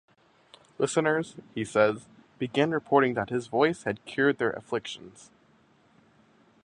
Listeners, he says, began reporting that his voice had cured their afflictions.